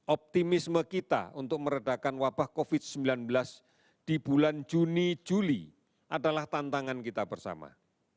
optimisme kita untuk meredakan wabah covid sembilan belas di bulan juni juli adalah tantangan kita bersama